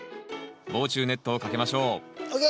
防虫ネットをかけましょうＯＫ！